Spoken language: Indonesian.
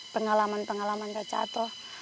pengalaman pengalaman kak cato